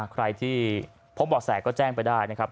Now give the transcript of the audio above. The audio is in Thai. ใครที่พบบ่อแสก็แจ้งไปได้นะครับ